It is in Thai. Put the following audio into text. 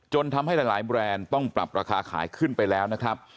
ทำให้หลายแบรนด์ต้องปรับราคาขายขึ้นไปแล้วนะครับ